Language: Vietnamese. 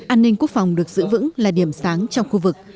an ninh quốc phòng được giữ vững là điểm sáng trong khu vực